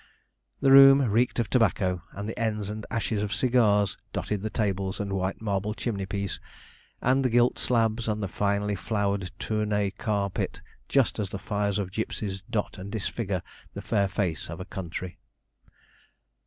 The room reeked of tobacco, and the ends and ashes of cigars dotted the tables and white marble chimney piece, and the gilt slabs and the finely flowered Tournay carpet, just as the fires of gipsies dot and disfigure the fair face of a country.